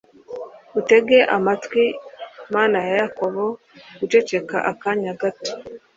utege amatwi Mana ya Yakobo guceceka akanya gato